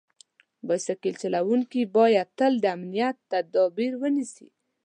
بایسکل چلونکي باید تل د امنیت تدابیر ونیسي.